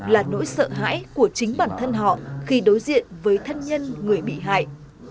là nỗi sợ hãi của chính bản thân họ khi đối diện với thân nhân người bị hại